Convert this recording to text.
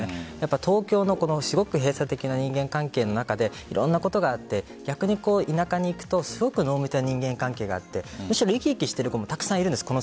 東京のすごく閉鎖的な人間関係の中でいろんなことがあって逆に田舎に行くとすごく濃密な人間関係があってむしろ生き生きしている子もたくさんいるんです。